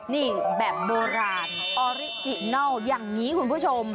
นี่แบบโบราณออริจินัลอย่างนี้คุณผู้ชม